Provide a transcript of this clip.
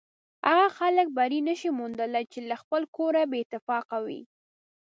هغه خلک بری نشي موندلی چې له خپله کوره بې اتفاقه وي.